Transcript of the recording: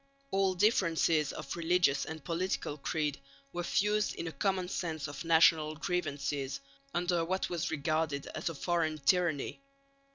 All differences of religious and political creed were fused in a common sense of national grievances under what was regarded as a foreign tyranny.